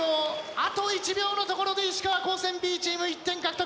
あと１秒のところで石川高専Ｂチーム１点獲得。